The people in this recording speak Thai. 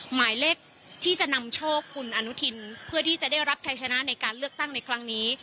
หมายเลขที่จะนำโชคคุณอนุทินเพื่อที่จะได้รับชัยชนะในการเลือกตั้งในครั้งนี้